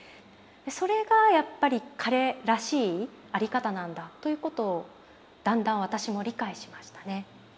それがやっぱり彼らしい在り方なんだということをだんだん私も理解しましたね。